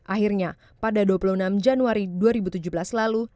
akhirnya pada dua puluh enam januari dua ribu tujuh belas lalu